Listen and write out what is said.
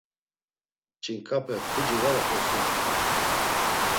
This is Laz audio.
Ç̌inǩape puci var oxosǩinamt̆ey!